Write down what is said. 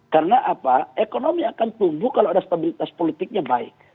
karena apa ekonomi akan tumbuh kalau ada stabilitas politiknya baik